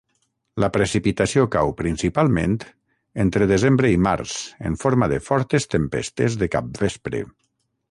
La precipitació cau principalment entre desembre i març en forma de fortes tempestes de capvespre.